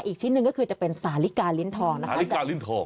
อีกชิ้นหนึ่งก็คือจะเป็นสาลิกาลิ้นทองนะคะสาลิกาลิ้นทอง